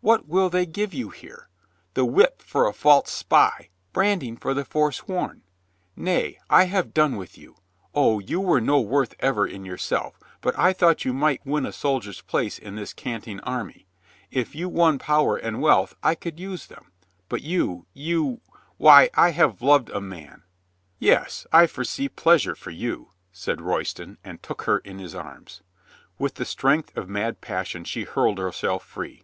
What will they give you here? The whip for a false spy, branding for the foresworn. Nay, I have done with you. O, you were no worth ever in yourself, but I thought you might win a soldier's place in this cant ing army. If you won power and wealth I could use them. But you — you — why, I have loved a man." "Yes, I foresee pleasure for you," said Royston and took her in his arms. With the strength of mad passion she hurled her self free.